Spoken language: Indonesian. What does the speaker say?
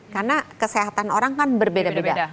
karena kesehatan orang kan berbeda beda